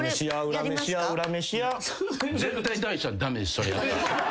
それやったら。